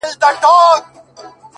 مخته چي دښمن راسي تېره نه وي’